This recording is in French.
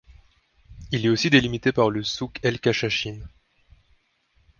Il est aussi délimité par le souk El Kachachine.